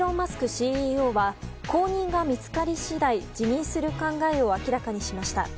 ＣＥＯは後任が見つかり次第辞任する考えを明らかにしました。